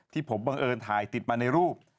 ที่ผมบังเอิญถ่ายติดมาในรูป